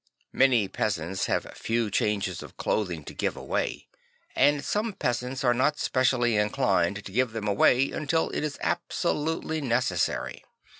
Most peasants have few changes of clothing to give away; and some peasants are not specially inclined to give them away until it is absolutely necessary.